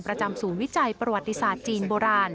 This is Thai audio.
ประจำศูนย์วิจัยประวัติศาสตร์จีนโบราณ